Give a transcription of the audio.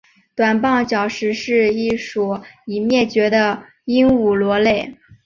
短棒角石是一属已灭绝的鹦鹉螺类。